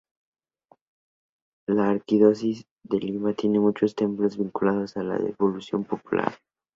La arquidiócesis de Lima tiene muchos templos vinculados a la devoción popular.